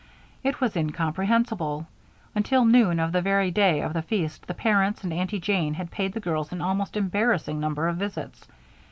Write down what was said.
It was incomprehensible. Until noon of the very day of the feast the parents and Aunty Jane had paid the girls an almost embarrassing number of visits.